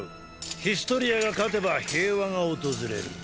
ヒストリアが勝てば平和が訪れる。